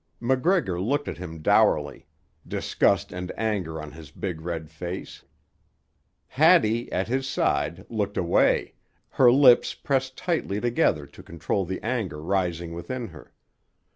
MacGregor looked at him dourly, disgust and anger on his big red face. Hattie, at his side, looked away, her lips pressed tightly together to control the anger rising within her.